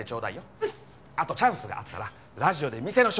あとチャンスがあったらラジオで店の紹介よろしくね！